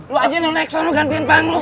lu aja yang next gantiin bang lu